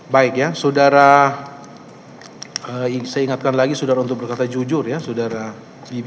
baik ya saudara saya ingatkan lagi saudara untuk berkata jujur ya saudara bibi